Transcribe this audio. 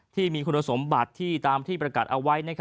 ที่มีคุณสมบัติที่ตามที่ประกาศเอาไว้